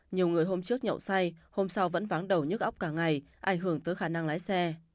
nhiều người hôm trước nhậu say hôm sau vẫn vắng đầu nhức ốc cả ngày ảnh hưởng tới khả năng lái xe